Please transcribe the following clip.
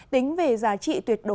tính về giá trị tuyệt đối